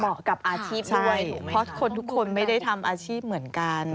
กับอาชีพด้วยเพราะคนทุกคนไม่ได้ทำอาชีพเหมือนกัน